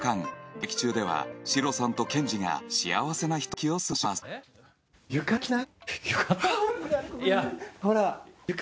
劇中ではシロさんとケンジが幸せなひとときを過ごします浴衣？